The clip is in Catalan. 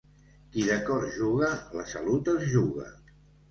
Qui de cor juga, la salut es juga.